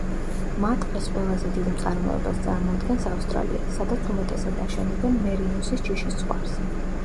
მატყლის ყველაზე დიდ მწარმოებელს წარმოადგენს ავსტრალია, სადაც უმეტესად აშენებენ მერინოსის ჯიშის ცხვარს.